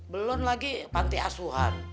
belon lagi panti asuhan